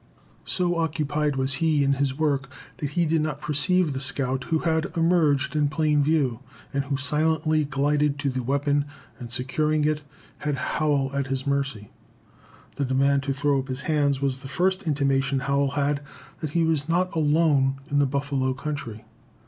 So occupied was he in his work that he did not perceive the scout, who had emerged in plain view, and who silently glided to the weapon, and, securing it, had Howell at his mercy. The demand to throw up his hands was the first intimation Howell had that he was not alone in the buffalo country.